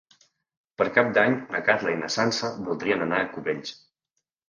Per Cap d'Any na Carla i na Sança voldrien anar a Cubells.